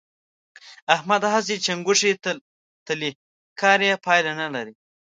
احمد هسې چنګوښې تلي؛ کار يې پايله نه لري.